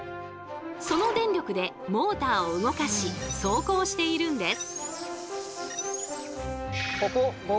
その電力でモーターを動かし走行しているんです。